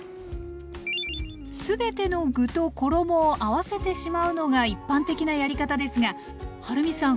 全ての具と衣を合わせてしまうのが一般的なやり方ですがはるみさん